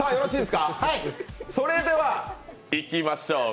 それではいきましょう。